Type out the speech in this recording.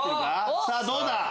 さぁどうだ？